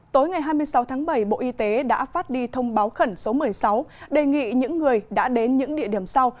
tối ngày hai mươi sáu tháng bảy bộ y tế đã phát đi thông báo khẩn số một mươi sáu đề nghị những người đã đến những địa điểm sau